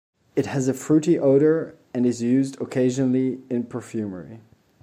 It has a fruity odor and is used occasionally in perfumery.